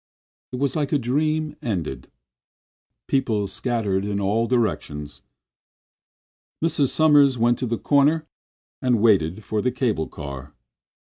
It was like a dream ended. People scattered in all directions. Mrs. Sommers went to the corner and waited for the cable car.